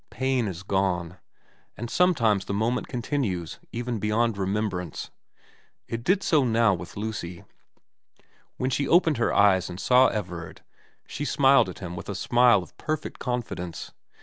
Pain is gone. And sometimes the moment continues even beyond remembrance. It did so now with Lucy. When she opened her eyes and saw Everard, she smiled at him a smile of perfect confidence.